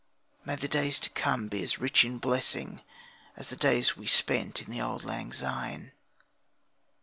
May the days to come be as rich in blessing As the days we spent in the auld lang syne.